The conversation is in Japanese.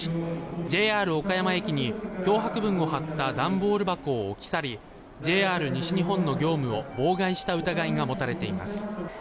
ＪＲ岡山駅に脅迫文を貼った段ボール箱を置き去りＪＲ西日本の業務を妨害した疑いが持たれています。